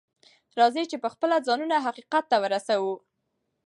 راځئ چې پخپله ځانونه حقيقت ته ورسوو.